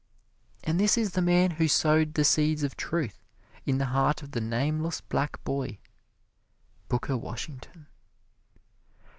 And this is the man who sowed the seeds of truth in the heart of the nameless black boy Booker Washington.